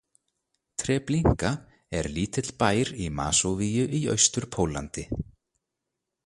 Treblinka er lítill bær í Masóvíu í Austur-Póllandi.